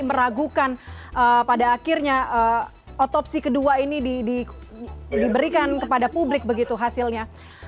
meragukan pada akhirnya otopsi kedua ini diberikan kepada publik begitu hasilnya